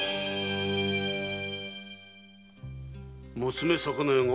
娘魚屋が？